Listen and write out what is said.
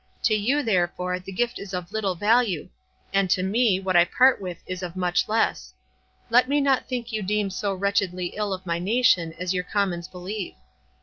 To you, therefore, the gift is of little value,—and to me, what I part with is of much less. Let me not think you deem so wretchedly ill of my nation as your commons believe.